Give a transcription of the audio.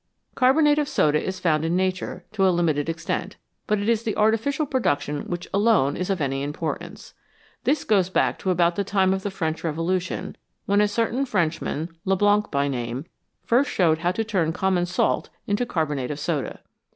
Carbonate of soda is found in nature to a limited extent, but it is the artificial production which alone is of any importance. This goes back to about the time of the French Revolution, when a certain French man, Leblanc by name, first showed how to turn common salt into carbonate of soda.